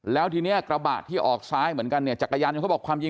แล้วทีนี้กระบะที่ออกซ้ายเหมือนกันเนี่ยจักรยานยนเขาบอกความจริง